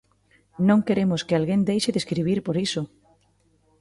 Non queremos que alguén deixe de escribir por iso.